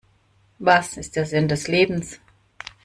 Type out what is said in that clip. Was ist der Sinn des Lebens?